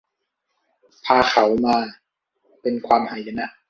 พาเขามาเป็นความหายนะ